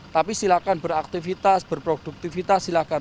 tapi silakan beraktivitas berproduktifitas silakan